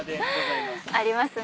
ありますね」